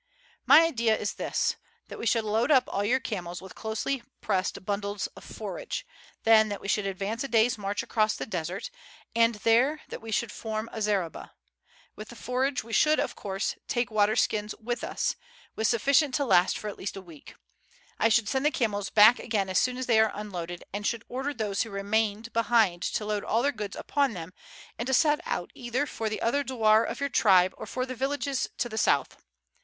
"My idea is this: that we should load up all your camels with closely pressed bundles of forage; then that we should advance a day's march across the desert; and there that we should form a zareba. With the forage we should, of course, take water skins with us, with sufficient to last for at least a week. I should send the camels back again as soon as they are unloaded, and should order those who remained behind to load all their goods upon them and to set out either for the other douar of your tribe or for the villages to the south.